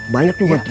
banyak juga pak